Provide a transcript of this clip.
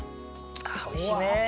おいしいね！